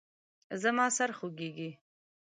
زما سر خوږیږي